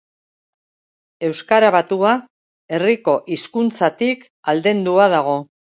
Euskara batua herriko hizkuntzatik aldendua dago